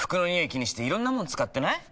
気にしていろんなもの使ってない？